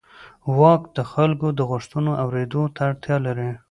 واک د خلکو د غوښتنو اورېدلو ته اړتیا لري.